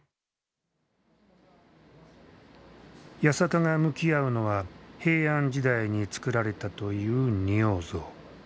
八坂が向き合うのは平安時代につくられたという仁王像。